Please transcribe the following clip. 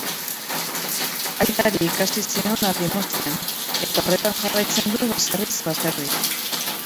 Aitari ikasi zion ardi mozten eta horretan jarraitzen du baserriz baserri.